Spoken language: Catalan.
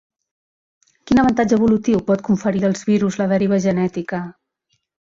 Quin avantatge evolutiu pot conferir als virus la deriva genètica?